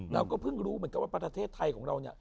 เราก็เพิ่งรู้เหมือนกันว่าประเทศไทยของเราเนี่ย